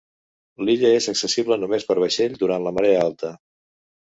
L'illa és accessible només per vaixell durant la marea alta.